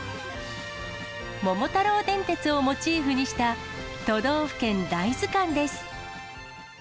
桃太郎電鉄をモチーフにした、都道府県大図鑑です。